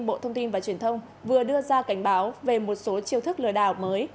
cục an toàn thông tin và truyền thông vừa đưa ra cảnh báo về một số chiêu thức lừa đảo mới